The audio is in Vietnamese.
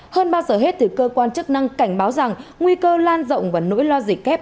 hơn bao giờ hết cơ quan chức năng cảnh báo rằng nguy cơ lan rộng và nỗi lo dịch kép